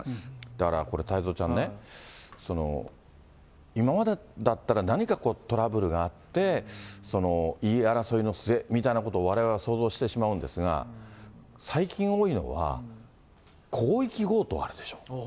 だからこれ、太蔵ちゃんね、今までだったら何かトラブルがあって、言い争いの末みたいなことをわれわれは想像してしまうんですが、最近多いのは、広域強盗あるでしょ。